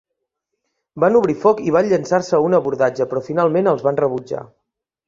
Van obrir foc i van llençar-se a un abordatge, però finalment els van rebutjar.